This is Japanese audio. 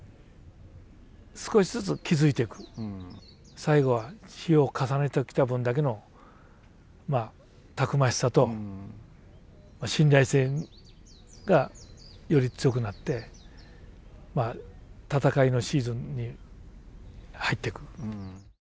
最後は日を重ねてきた分だけのたくましさと信頼性がより強くなって戦いのシーズンに入っていく。